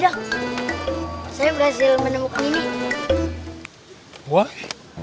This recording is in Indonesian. saya berhasil menemukan ini